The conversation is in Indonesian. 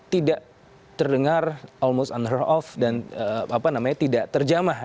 tidak terdengar almost unheard of dan tidak terjamah